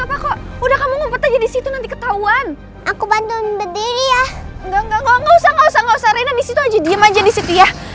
aku bantuin berdiri ya enggak nggak usah usah disitu aja diem aja di setia